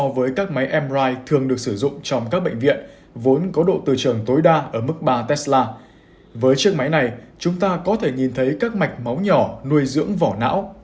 với chiếc máy này chúng ta có thể nhìn thấy các mạch máu nhỏ nuôi dưỡng vỏ não